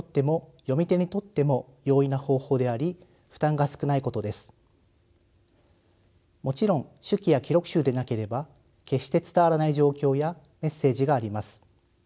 １つ目の意義と可能性はもちろん手記や記録集でなければ決して伝わらない状況やメッセージがあります。